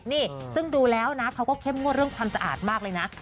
นี่ซึ่งดูแล้วนะเขาก็เข้มงวดเรื่องความสะอาดมากเลยนะ